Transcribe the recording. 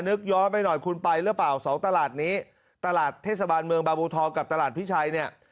นึกย้อนไปหน่อยคุณไปหรือเปล่าสองตลาดนี้ตลาดเทศบาลเมืองบาบูทองกับตลาดพิชัยเนี่ย